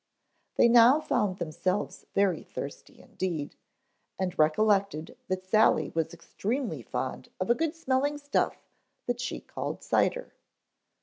They now found themselves very thirsty indeed, and recollected that Sally was extremely fond of a good smelling stuff that she called cider.